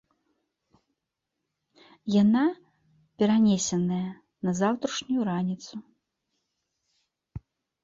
Яна перанесеная на заўтрашнюю раніцу.